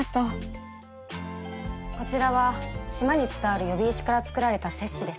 こちらは島に伝わる喚姫石から作られた鑷子です。